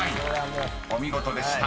［お見事でした。